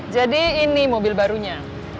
jadi ini mobil barunya